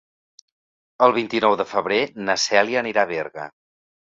El vint-i-nou de febrer na Cèlia anirà a Berga.